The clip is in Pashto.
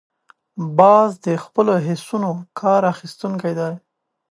باز د خپلو حسونو کار اخیستونکی دی